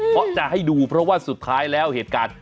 เพราะจะให้ดูเพราะว่าสุดท้ายแล้วเหตุการณ์